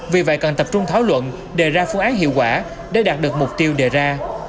vì vậy cần tập trung thảo luận đề ra phương án hiệu quả để đạt được mục tiêu đề ra